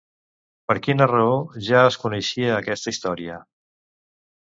Per quina raó ja es coneixia aquesta història?